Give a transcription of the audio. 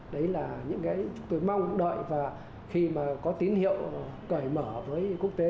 đấy là những cái chúng tôi mong đợi và khi mà có tín hiệu cởi mở với quốc tế